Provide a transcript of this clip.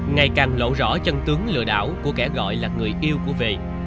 ngày càng lộ rõ chân tướng lừa đảo của kẻ gọi là người yêu của về